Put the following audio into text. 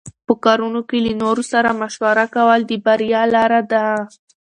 په کارونو کې له نورو سره مشوره کول د بریا لاره ده.